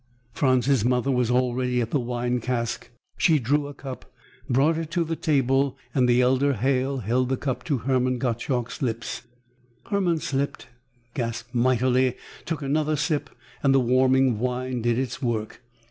Franz's mother was already at the wine cask. She drew a cup, brought it to the table, and the elder Halle held the cup to Hermann Gottschalk's lips. Hermann sipped, gasped mightily, took another sip, and the warming wine did its work.